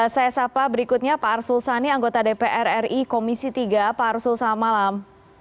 saya sapa berikutnya pak arsul sani anggota dpr ri komisi tiga pak arsul selamat malam